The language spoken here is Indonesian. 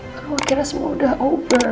aku kira semua udah over